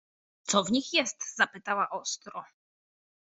— Co w nich jest? — zapytała ostro.